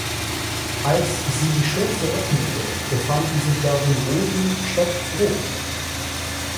Als sie die Schürze öffnete, befanden sich darin Rosen statt Brot.